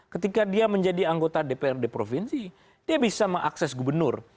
ketika dia menjadi anggota dprd provinsi dia bisa mengakses gubernur